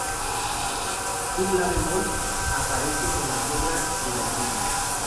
Un La bemol aparece en las obras de Landini.